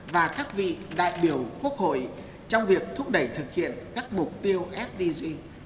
và các vị đại biểu quốc hội trong việc thúc đẩy thực hiện các mục tiêu sdg